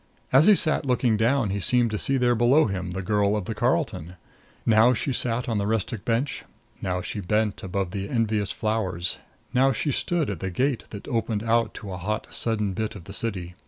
As he sat looking down he seemed to see there below him the girl of the Carlton. Now she sat on the rustic bench; now she bent above the envious flowers; now she stood at the gate that opened out to a hot sudden bit of the city.